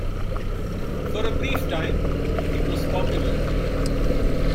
For a brief time it was popular.